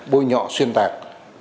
bôi nhọ xuyên tạc